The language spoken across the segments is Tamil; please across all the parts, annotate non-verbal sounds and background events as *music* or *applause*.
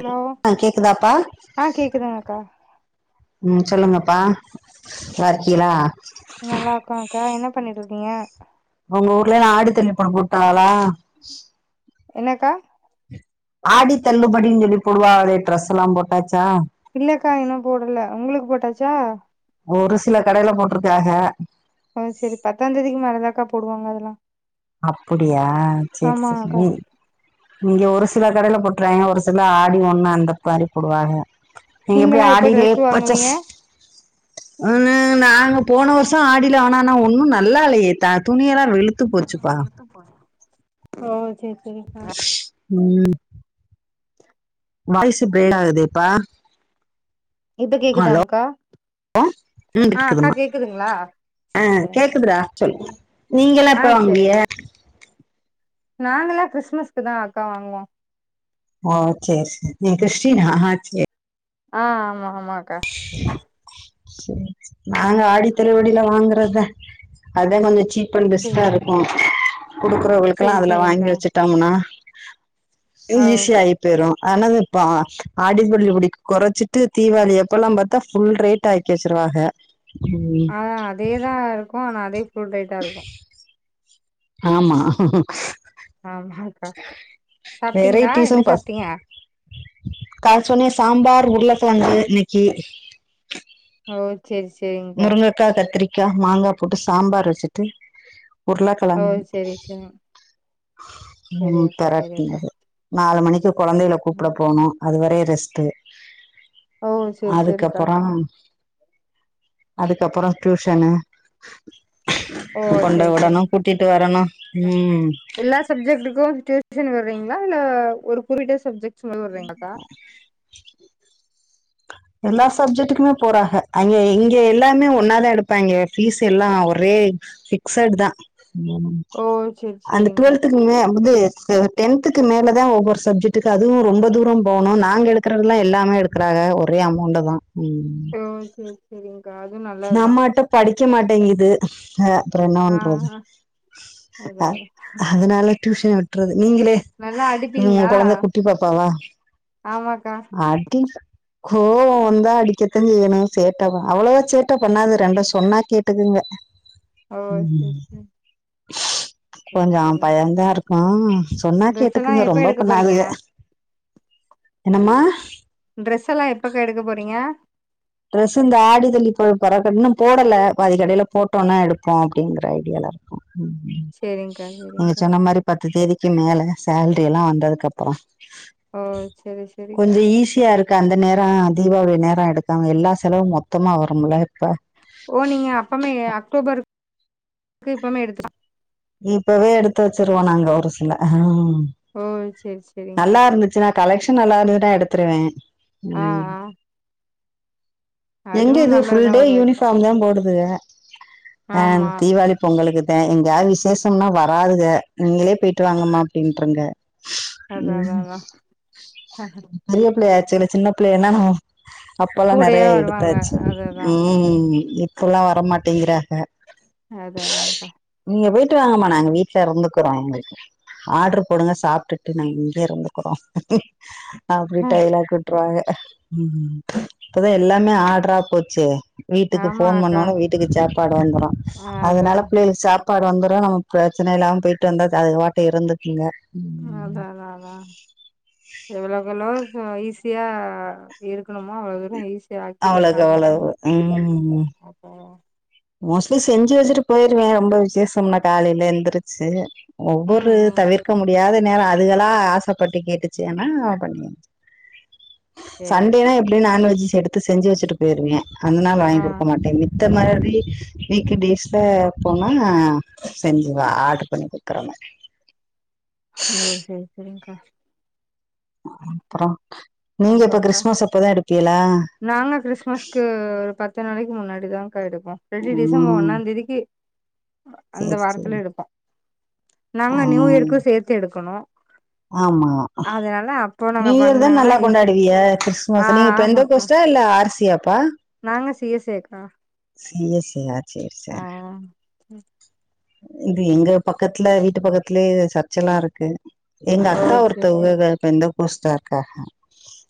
ஹலோ ஆ கேக்குதாப்பா ஆ கேக்குதுங்கக்கா ம் சொல்லுங்கப்பா நல்லாருக்கீளா நல்லா இருக்கோ அக்கா என்ன பண்ணிட்டு இருக்கீங்க உங்க ஊர்லே நா ஆடி தள்ளி பாக்க உட்டாங்களா என்னக்கா ஆடி தள்ளுபடின்னு சொல்லி போடுவாகளே ட்ரெஸ் எல்லா போட்டாச்சா இல்லக்கா இன்னு போடல உங்களுக்கு போட்டாச்சா ஒரு சில கடைல போட்ருக்காக ஓ செரி பத்தா தேதிக்கு மேல தா கா போடுவாங்க அதெல்லா அப்புடியா சேர் ஆமாக்கா சேரி இங்க ஒரு சில கடைல போட்ருவாய்ங்க ஒரு சில ஆடி ஒண்ணு அந்த மாறி போடுவாங்க நீங்க எப்டி நீங்கல்லா எப்ப ஆடிலே ட்ரெஸ் பச்சஸ் வாங்குவீங்க ம்ம் நாங்க போன வருஷோ ஆடியில ஆனனா ஒண்ணு நல்லா இல்லையே துணியலா வெளுத் ஓ சேர் சேரி ம் வாயிசு பிரேக் ஆகுதேப்பா இப்ப ஹலோ கேக்குதாங்கா ம் கேக்குதுமா ஆ சரிங்க. கேக்குதுடா சொல்லுங்க நீங்க எல்லா எப்ப ஆ வாங்குவீங்க சரிங்க நாங்கல்லா கிறிஸ்மஸ்கு தா அக்கா வாங்குவோ ஓ சேரி சேரி நீ கிருஷ்டினா சேரி ஆ ஆமா ஆமாக்கா சேரி நாங்க ஆடி தள்ளுபடில வாங்கறதுத அதா கொஞ்ச சீப் அண்ட் சரி பெஸ்ட்டா இருக் குடுக்குறவங்களுக்கல்லா சரி அதுல வாங்கி சரிங்க்கா வச்சுட்டோம்னா ஓ ஈஸியா ஆய் போய்ரு ஆனதுப்ப ஆடிதள்ளுபடிக்கு கொறைச்சிட்டு தீபாவளி அப்பல்லா பாத்தா ஃபுல் ரேட் டா ஆக்கி வச்சிருவாக ம் ஆ அதேதா இருக்கு ஆனா அதே ஃபுல் ரேட்டா இருக்கு ஆமா ஆமா வெரைடிஸ்ஸும் பஸ் சாப்ட்டீங்க கா சொன்னே சாம்பார் உருளக்கிழங்கு இன்னைக்கு ஓ செரி சேரிங்கா கா கத்திரிக்கா மாங்கா போட்டு சாம்பார் வச்சிட்டு ஓ உருளக்கழங்கு செரி செரி செரி ம் அக்கா செரி அக்கா பெரட்னது நாலு மணிக்கு கொழந்தைக்கள கூப்ட போணு அதுவர ரெஸ்ட் ஓ செரி செரிக்கா அதுக்கப்புறம் அதுக்கப்பறோ டியூஷனு ஓ செரி கொண்டோய் உடணு செரிங்க்கா கூட்டிட்டு வரணு ம் எல்லா சப்ஜெக்டுக்கு டியூஷன் வர்றீங்களா இல்ல ஒரு குறிட்ட சப்ஜெக்ட் எல்லா சப்ஜெக்டுக்குமே போறாங்க அங்க இங்க எல்லாமே ஒன்னாதா எடுப்பாங்க ஃபீஸ் எல்லா ஒரே பிக்ஸைட் தா ஓ சேரி சேரிங்கா ன்ன வந்து டென்துக்கு மேலதா ஒவ்வொரு சப்ஜெக்டக்கு அது அதுவு ரொம்ப தூரோ போனு நாங்க எடுக்கறதுல்ல எல்லாமே எடுக்குறாங்க ஒரே அமௌண்ட் தா ம் ஓ சேரி சேரிங்க்கா அதுவு நல்லாதுதா நம்மாட்ட படிக்க மாட்டேங்குது ஆ அப்புறோ என்ன ஆ பன்றறது ஆ அதா அ அதா அதனால டியூஷன் விட்டுறது நீங்களே நல்லா ஆ மூனு அடிப்பீங்களா கொழந்த குட்டி பாப்பாவா ஆமாக்கா அடி கோவோ வந்தா அடிக்கத்தா செய்யணு சேட்டா அவ்ளோவ சேட் ட பண்ணாது ரெண்டு சொன்னா கேட்டுக்குங்க ஆ சரி சரி கொஞ்சு பயந்தா இருக்கு சொன்னா ட்ரெஸ் எல்லா கேட்டுக்குங்க எப்ப ரொம்ப எடுக்க போறீங்க பண்ணாதுக என்னம்மா ட்ரெஸ் எல்லா எப்பாக்கா எடுக்க போறீங்க ட்ரெஸ் இந்த ஆடிதள்ளுபடி பற இன்னு போடல அது கடையில போட்டோன்னா எடுப்போ அப்படிங்கிற ஐடியாலா ம் ம் செரிங்க்கா நீங்க செரிங்க்கா சொன்ன மாரி பத்து தேதிக்கு மேல சேல்ரி எல்லா வந்ததுக்கு அப்புறோ ஓ செரி செரிக்கா கொஞ்சு ஈஸியா இருக்கு அந்த நேரோ தீபாவளி நேரோ எடுத்து நாங்க எல்லா செலவு மொத்தமா வரும்ல இப்ப ஓ நீங்க அப்பமே அக்டோபருக்கு இப்பவுமே எடுத்து இப்பவே எடுத்து வச்சிருவோ நாங்க ஒரு சில ஓ செரி செரி நல்லா இருந்துச்சுன்னா கலெக்ஷன் நல்லா இருந்துட்டா எடுத்துருவே ஆ ஆ எங்க அதுவு இது நல்லாதா ஃபுல்டே ஒரு வகைக்கு யூனிபார்ம் தா போடுதுக அ ஆமா தீபாவளி பொங்குளுக்குதா எங்கயாவது விசேஷம்னா வராதுக நீங்களே போய்டிட்டு வாங்கமா அப்படின்ருங்க அதா அதா ம் அதா பெரிய புள்ளைய ஆச்சுல்ல சின்ன புள்ளையன்னா நம்ம அப்பல்லா கூடயே நெறைய வருவாங்க எடுத்தாச்சு அதுதா ம் இப்பல்லா வரமாட்டேங்கிறாங்க அத அதான்கா நீங்க போயிட்டு வாங்கம்மா நாங்க வீட்டுல இருந்துக்குறோ உங்களுக்கு ஆர்டரு போடுங்க சாப்பிட்டு டு நா இங்கேயே இருந்துக்குறோ அப்படி டையலாக்கு விட்ருவாங்க ம் இப்பதா எல்லாமே ஆட்ரா போச்சே வீட்டுக்கு ஆமா போன் அக்கா பண்ணோனே வீட்டுக்கு சாப்பாடு வந்துரு அதா அதனால பிள்ளைகள் சாப் சப்பாடு வந்துரு நம்ம பிரச்சனை இல்லாம போயிட்டு வந்த அது பாட் இருந்துக்குங்க அத அதா அதா எவ்வளவுக்கேவளோ ஈஸியா இருக்கணுமா அவ்வளவுதுறோ ஈஸியா ஆக்கிட்டு அவ்வளவுக்கு இருக்காங்க அவ்வளவு அவ்வளோதா ம் அப்ப மோஸ்ட்லி செஞ்சு வச்சுட்டு போயிருவே ரொம்ப விசேஷம்ன காலையில எழுந்தருச்சு ம் ஒவ்வொரு ம் தவிர்க்க முடியாத நேரோ அதுகல்லா ஆசப்பட்டு கேட்டுச்சுன்னா பண்ணி வெச்சு செரி சண்டே அக்கா செரி எப்படியு நான்வெஜ்ஸ் எடுத் செஞ்சு வச்சுட்டு போயிருவே அதநாளே ஆ வாங்கி கொடுக்க மாட்டே மித்த மாரி விக்கெண்டு டேஸ்ல போனா செஞ்சு வா ஆர்டரு பண்ணி குடுக்குற மாரி ஓ சேரி சேரிங்க்கா அப்பறோ நீங்க எப்போ கிறிஸ்மஸ் அப்பதா எடுப்பிங்கலா நாங்களு கிறிஸ்மஸ்க்கு ஒரு பத்து நாளைக்கு முன்னாடி தாங்கா எடுப்போ இல்லா டி டிசம்பர் ம் ஒன்னா தேதிக்கு அந்த சேரி சேரி வாரத்துல எடுப்போ நாங்க ஆ நியூ இயருக்கு சேர்த்து எடுக்கணு ஆமா அதனால அப்போ நாங்க நியூ இயர் தா பண்ணாங்கன்னா நல்லா கொண்டா ஈஸியா இருக்கு விய ஆ கிறிஸ்துமஸ் நீங்க பெந்த ஆமாக்கா கோஸ்டா இல்ல ஆர்சியாப்பா நாங்க சியேசேக்கா சியேசேயா சேர் சேர் ஆ இது எங்க பக்கத்துல வீட்டு பக்கத்துலயே சர்ச் எல்லா இருக்கு எங்க ஓ அக்கா சேரி சேரி ஒருத்தோக பெந்த கோஸ்டா இருக்காக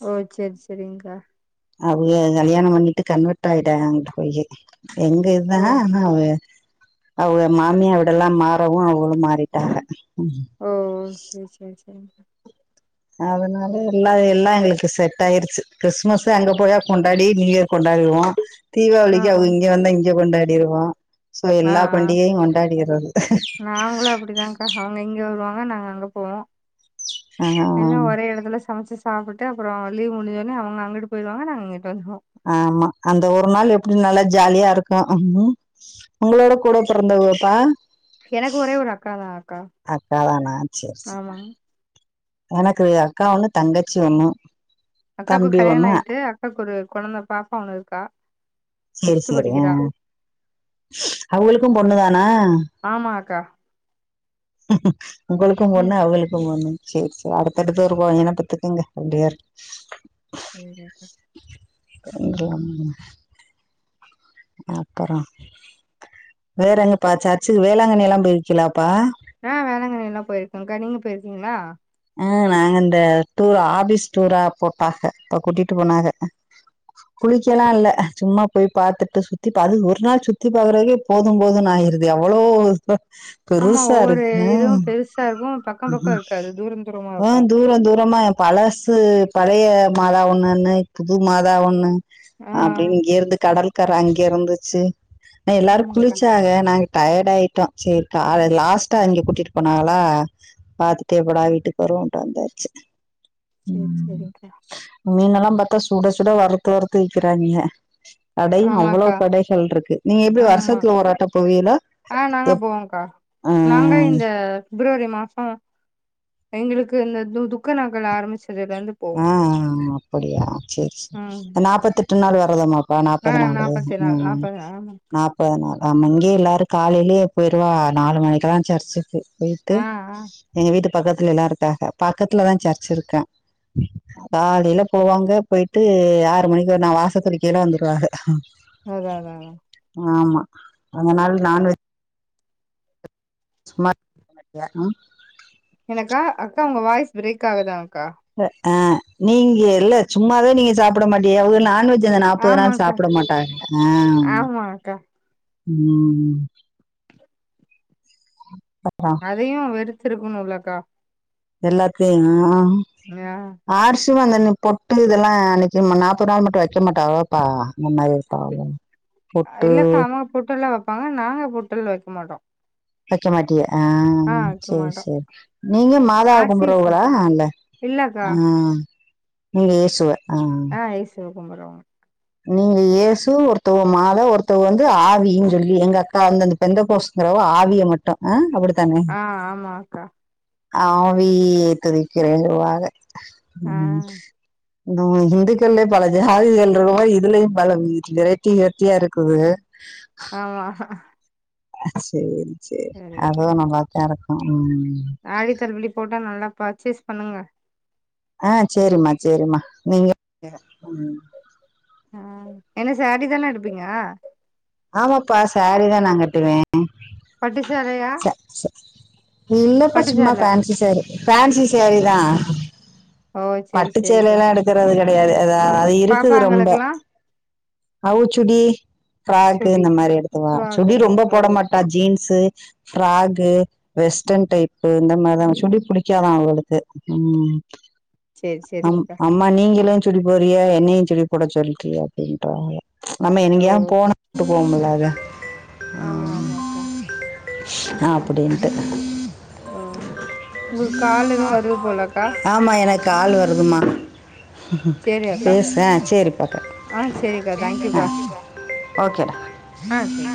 ஓ சேரி சேரிங்கா அவுக கல்யாணம் பண்ணிட்டு கன்வெர்ட் ஆயிடாக அங்குட்டு போய் எங்க நா ஓ நாவே அவுங்க மாமிய வீடல்லா மாறவு அவகளு மாறிட்டாங்க ஓ சேரி சேரி சேரி அதனால எல்லா எல்லா எங்களுக்கு செட் ஆயிருச்சு கிறிஸ்மஸ் அங்க போயி கொண்டாடி நியூ இயர் கொண்டாடிவோ ஆ தீபாவளிக்கு அவுங்க ஆ இங்க வந்தா இங்க கொண்டாடிடுவோ ஆ ஆ நாங்களு அப்டிதான்க் அவுங்க இங்க வருவாங்க நாங்க அங்க போவோ ஆ எல்லா ஒரே எடத்துல சமச்சி சா சாப்புட்டு அப்றோ லீவ் முடிஞ்சோனே அவுங்க அங்கட்டு போயிருவாங்க நாங் இங்கிட்டு வந்துருவோ ஆமா அந்த ஒரு நாள் எப்டி நல்லா ஜாலியா இருக்கு உங்களோட கூட பிறந்தவுப்பா எனக்கு ஒரே ஒரு அக்கா தா அக்கா அக்கா தானா சேரி சேரி ஆமா எனக்கு அக்கா ஒன்னு தங்கச்சி ஒண்ணு அக்காக்கு தம்பி கல்யாணம் ஒண்ணு ஆயிட்டு அக்காவுக்கு ஒரு குழந்த பாப்பா ஒண்ணு இருக்கா சேரி ஃபிப்த் சேரி படிக்கிறா அவுங்களுக்கு பொண்ணு தானா ஆமா அக்கா உங்களுக்கு ம் பொண்ணு அவங்களுக்கு பொண்ணு சேரி சேர் அடுத்தடுத்து ஒரு பையன பெத்துக்கங்க ரெண்டு பேரு சேரி அக்கா *unintelligible* அப்பறோ வேறங்கிப்பா சர்ச்சுக் வேளாங்கண்ணி எல்லா போய்க்கலாப்பா ஆ வேளங்கண்ணி எல்லா போயிருக்கங்க்கா நீங்க போயிருக்கீங்களா ஆ நாங்க இந்த டூர் ஆபீஸ் டூரா போட்டாங்க அப்ப கூட்டிட்டு போனாங்க குளிக்கலா இல்ல சும்மா போய் பாத்துட்டு சுத்தி பாத்து அது ஒரு நாள் சுத்தி பாக்குறத்துக்கே போது போது ஆயிருது எவ்ளோ ஆமா ஒவ்வொரு இதுவு பெருசா இருக்கு பக்க பக்கோ இருக்காது தூரம் தூரமா ஆ இருக்கு தூர தூரமா எ பழசு பழைய மாதா ஒண்ணுன்னு புது மாதா ஒண்ணு ஆ அப்டின் இங்கே இருந்து கடல் கர அங்க இருந்துச்சு ஆ எல்லாரு ஆமாக்கா குளிச்சாங்க நாங்க டயர்ட் ஆயிட்டா சேரி அத லாஸ்ட்டா அங்க கூட்டிட்டு போனாகலா பாத்துட்டே ஒடாவீட்டு பொறவுன்ட்டு வந்தாச்சு சேரி சேரிக்கா மீன்னெல்லாம் பாத்தா சுட சுட வறுத்து வறுத்து விக்கறாய்ங்க கடையும் அவ்வளவு ஆமாக்கா கடைகள் இருக்கு நீங்க எப்டி ஆமா வருஷத்துல ஒருராட்ட பேவியிங்கலா ஆ நாங்க எப் போவோங்க்கா நாங்க ஆஹ் இந்த பிப்ரவரி மாசோ எங்களுக்கு இந்த துக்க நாக்கல் ஆரம்பிச்சதுல இருந்து போவோ அ ஆ அப்படியா செரி செரி ம் நாப்பத் எட்டு நாள் வேரதமா பா ஆ நாப்பது நாலு நாப்பத்தி உஉ நாள் நாப்பது நாள் ஆமா நாப் பனா ஆமா இங்கயே எல்லாரு காலேலே போயிருவா நாலு மணிக்குல்லா சர்ச்சிக்கு போயிட்டு ஆ ஆ எங்க வீட்டு பக்கத்துல எல்லா இருக்காங்க பக்கத்துல தா சர்ச் இருக்கா காலேல போவாங்க போயிட்டு ஆறு மணிக்கு ஒரு நா வாச தோளிக்கேழ வந்துருவாக ம் அதா அதா அதா ஆமா அதனால நான்வெஜ் சுமார் எனக்கா அக்கா உங்க வாய்ஸ் பிரேக் ஆகுதா அக்கா ஆ நீங்க இல்ல சும்மாவே நீங்க சாப்ட மாட்டீய அவுங்க நான்வெஜ் இந்த நாப்பது நாள் ஆமாக்கா சாப்ட மாட்டாக அ ஆமா அக்கா உம் பட்றா அதையு வெறுத்துருக்குணு உள்ளக்கா எல்லாத்தையு ஆ ஞா ஆர்சியு அந்தன்ன பொட்டு இதெல்லா அன்னைக்கு மன்னா நாற்பது நாள் மட்டு வைக்க மாட்டா அவ்லப்பா முன்னாரு தாயன் பொட்டு ஆ போட்டலா பா நாங்க ஹோட்டல் வைக்க மாட்டோ வைக்க மாட்டீ ஆ ஆ வைக்க சேரி மாட்டோ சேரி நீங்க மாதா ஆர்சிஸ் கும்புறோவ்ளா வைப்பாங்க இல்ல இல்லக்கா ஆ நீ வேசுவ அ ஐஸ்சுவ கும்டுறோ நீங்க ஏயேசு ஒருத்தவ மால ஒருத்தங்க வந்து ஆவின்னு சொல்லி எங்க அக்கா வந்து அந்தப் பெந்தேகோஸ்ங்கிறவ ஆவிய மட்டு அ அப்டித்தானே ஆ ஆமாக்கா ஆவி துதிக்கிறேன்னுவாக அ ஆ உம் இன்னோ இந்துக்கள்யே பல ஜாதிகள் இருக்குறமாறி இதுலயு பல *unintelligible* வெரேட்டி வெர்ட்டியா இருக்குது ஆமா சேரி சேரி சரி அதவு நம் பாத்தே இருக்கோ உம் ஆடித்தள்ளுபடி போட்டா நல்லா பர்ச்சேஸ் பண்ணுங்க ஆ சேரிம்மா சேரிமா நீங்க ஆ என்ன சடி தான எடுப்பீங்க ஆமாப்பா சேரி தா நா கட்டுவ பட்டு சேலையா ச ச இல்லப்பா பட்டு சும்மா சேல பேன்சி சேரி போன்சி சேரி தா ஓ சரி பட்டு சேல சரிக்கா எல்லா எடுக்கறது கெடையாது ஏதா அது இருக்குது ரொம்ப பாப்பாங்களுக்கெல்லா அவ்வசுடி பிராக்கு சுடி இந்த மாரி எடுத்துவா சுடி வாங்கணு ரொம்ப ஓ போட மாட்டா ஜீன்ஸ் ஃப்ராக்கு வெஸ்டர்ன் டைப்பு இந்த மாதிரிதா சுடி புடி *unintelligible* அவ்ளத்து உம் சரி அம் சரிங்க்கா அம் யம்மா நீங்களு சுடி போறிய என்னையு சுடி போட சொல்லறிய அப்டின்றாய நம்ம ஓ எங்காயா போனா போட்டு போவோமில்ல அதா ஆமா ஆமாக்கா அப்டின்டு ஆ ஒங்ளுக் கால் எதுவு வருது போலக்கா ஆமா எனக்கு கால் வருதுமா சரி அக்கா பேச சேரிப்பா கட் ஆ சேரிக்கா தேங்க்யூக்கா ஓகேடா ஆ சரி